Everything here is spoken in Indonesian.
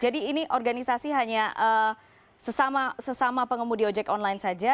jadi ini organisasi hanya sesama pengemudi ojek online saja